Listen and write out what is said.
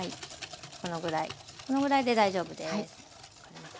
このぐらいこのぐらいで大丈夫です。